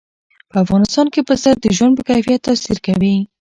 په افغانستان کې پسه د ژوند په کیفیت تاثیر کوي.